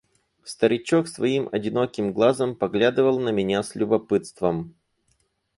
Старичок своим одиноким глазом поглядывал на меня с любопытством.